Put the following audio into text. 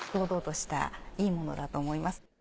堂々としたいいものだと思います。